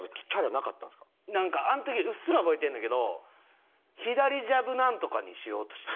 なんかあの時うっすら覚えてんねんけど「左ジャブなんとか」にしようとしてた。